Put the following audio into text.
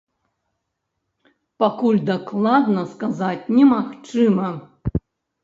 Пакуль дакладна сказаць немагчыма.